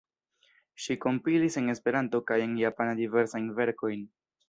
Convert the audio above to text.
Ŝi kompilis en Esperanto kaj en japana diversajn verkojn.